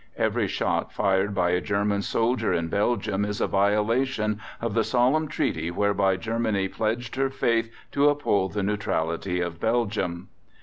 Every shot fired by a German soldier in Belgium is a violation of the solemn treaty whereby Germany pledged her faith to uphold the neutrality of Belgium.